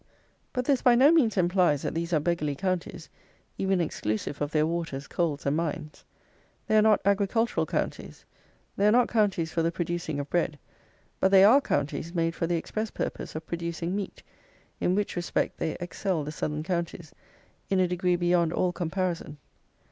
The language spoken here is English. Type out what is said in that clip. But this by no means implies that these are beggarly counties, even exclusive of their waters, coals, and mines. They are not agricultural counties; they are not counties for the producing of bread, but they are counties made for the express purpose of producing meat; in which respect they excel the southern counties, in a degree beyond all comparison.